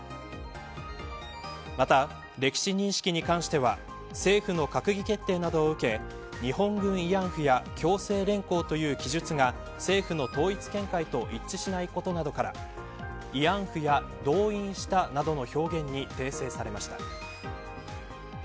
また、歴史認識に関しては政府の閣議決定などを受け日本軍慰安婦や強制連行などの記述が政府の統一見解と一致しないことなどから慰安婦や、動員したなどの表現に訂正されました。